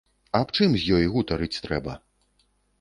Аб чым з ёй гутарыць трэба?